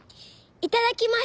「いただきます」。